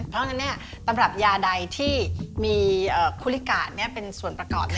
เพราะฉะนั้นตำรับยาใดที่มีคุลิกาดเป็นส่วนประกอบ